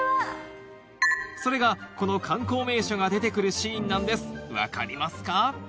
それがこの観光名所が出て来るシーンなんです分かりますか？